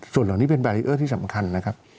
ส่วนเหล่านี้เป็นบารีเออร์ที่สำคัญนะครับ